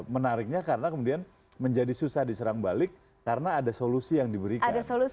menariknya karena kemudian menjadi susah diserang balik karena ada solusi yang diberikan